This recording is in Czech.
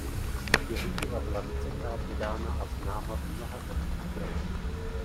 Jeho díla byla vícekrát vydána a známa v mnoha zemích Evropy.